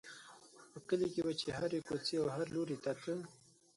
په کلي کې به چې هرې کوڅې او هر لوري ته ته.